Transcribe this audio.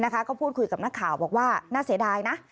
ก็พูดคุยกับนักข่าวบอกว่าน่าเสียดายนะ